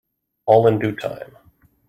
All in due time.